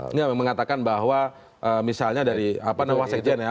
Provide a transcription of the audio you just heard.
ini yang mengatakan bahwa misalnya dari wasekjen ya